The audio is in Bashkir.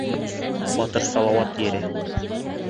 Батыр Салауат ере!